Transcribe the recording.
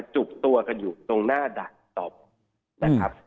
จุกตัวอยู่ตรงหน้าด่านตอบ